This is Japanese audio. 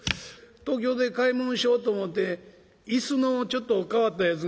東京で買い物しようと思うて椅子のちょっと変わったやつが欲しかったんで